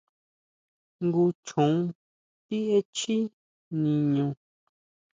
¿Jngu chjon ti echjí niñu?